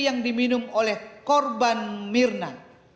yang diminum oleh korban mirna